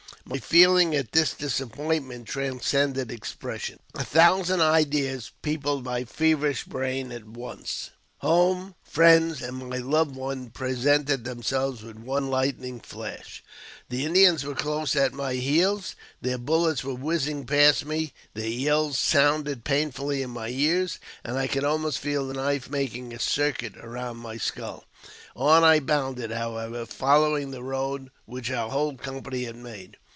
My feelings at this disappointment transcended expression. A thousand ideas peopled my feverish brain at once. Home, friends, and my loved one presented themselves with one lightning flash. The Indians were close at my heels; their bullets were whizzing past me ; their yells sounded painfully in my ears ; and I could almost feel the knife making a circuit round my skull. On I bounded, however, following the road which our whole company had made.